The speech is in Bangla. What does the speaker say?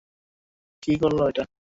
কী করলে এটা?